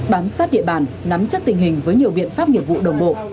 bám sát địa bàn nắm chắc tình hình với nhiều biện pháp nghiệp vụ đồng bộ